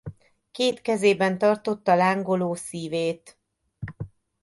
Két kezében tartotta lángoló Szívét.